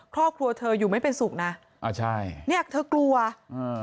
ครอบครัวเธออยู่ไม่เป็นสุขนะอ่าใช่เนี้ยเธอกลัวอ่า